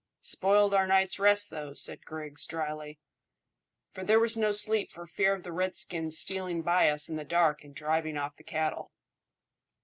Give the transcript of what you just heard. "Spoiled our night's rest, though," said Griggs dryly, "for there was no sleep for fear of the redskins stealing by us in the dark and driving off the cattle."